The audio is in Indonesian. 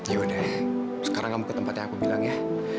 yaudah sekarang kamu ke tempat yang aku bilang ya